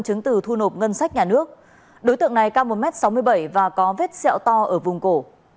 chứng từ thu nộp ngân sách nhà nước đối tượng này cao một m sáu mươi bảy và có vết xẹo to ở vùng cổ